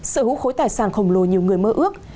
sở hữu khối tài sản khổng lồ nhiều người mơ ước